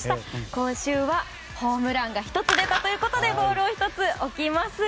今週はホームランが１つ出たのでボールを１つ置きます。